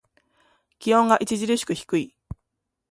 気温が著しく低い。